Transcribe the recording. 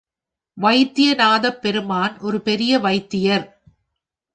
வைத்தியநாதப் பெருமான் ஒரு பெரிய வைத்தியர்.